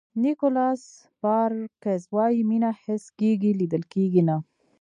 نیکولاس سپارکز وایي مینه حس کېږي لیدل کېږي نه.